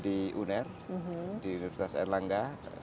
di uner di universitas erlangga